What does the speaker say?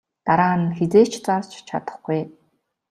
Дараа нь хэзээ ч зарж чадахгүй.